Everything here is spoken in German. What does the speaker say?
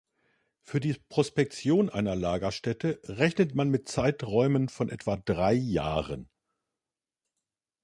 Für die Prospektion einer Lagerstätte rechnet man mit Zeiträumen von etwa drei Jahren.